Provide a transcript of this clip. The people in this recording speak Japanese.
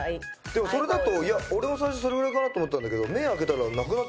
でもそれだといや俺も最初それぐらいかなと思ったんだけど。